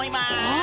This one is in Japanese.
え！？